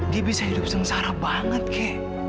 dia bisa hidup sengsara banget kek